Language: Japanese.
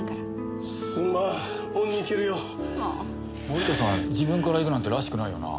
森田さん自分から行くなんてらしくないよな。